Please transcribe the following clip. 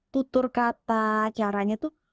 tutur kata caranya tuh